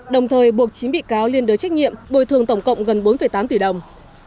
đồng thời buộc chín bị cáo liên đối trách nhiệm bồi thường tổng cộng gần bốn tám tỷ đồng